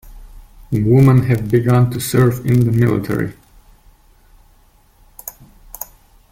Women have begun to serve in the military.